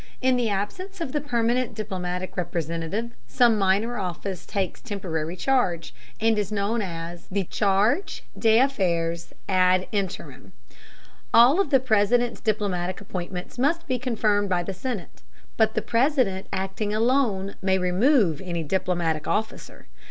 In the absence of the permanent diplomatic representative some minor officer takes temporary charge, and is known as the chargÚ d'affaires ad interim. All of the President's diplomatic appointments must be confirmed by the Senate, but the President acting alone may remove any diplomatic officer.